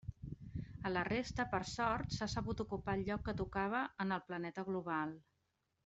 A la resta, per sort, s'ha sabut ocupar el lloc que tocava en el planeta global.